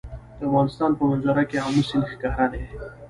د افغانستان په منظره کې آمو سیند ښکاره دی.